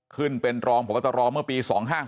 ขึ้นเป็นรองพบตรเมื่อปี๒๕๖